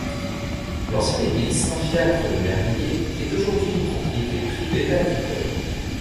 L'ancienne église Saint-Fiacre de Mervilliers est aujourd'hui une propriété privée agricole.